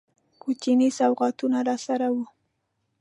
کوچني سوغاتونه راسره وه.